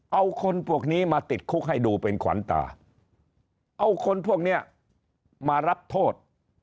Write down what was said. เอาคนพวกนี้มาติดคุกให้ดูเป็นขวัญตาเอาคนพวกนี้มารับโทษ